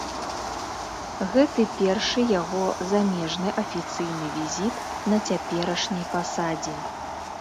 Гэты першы яго замежны афіцыйны візіт на цяперашняй пасадзе.